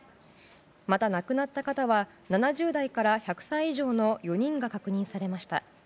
また亡くなった方は７０代から１００歳以上の４人が確認されました。